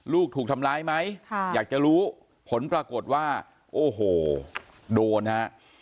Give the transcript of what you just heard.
ลูกถูกทำร้ายไหมอยากจะรู้ผลปรากฏว่าโอ้โหโดนฮะ